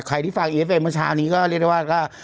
ใครที่ฟังเอฟเองเมื่อเช้านี้ก็เรียกได้ว่าก็